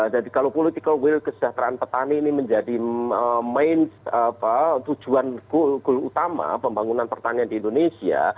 jadi kalau political will kesejahteraan petani ini menjadi main tujuan utama pembangunan pertanian di indonesia